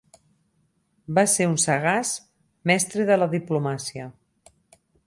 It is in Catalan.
Va ser un sagaç mestre de la diplomàcia.